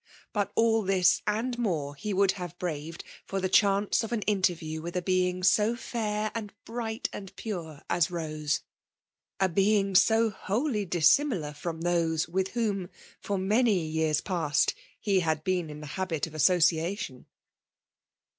But all this, and more, he would have braved for the chance of an interview with a being so fair and bright and pure as a being so wholly dissimilar iBrom those whom, for many years past, he had been in habits of association.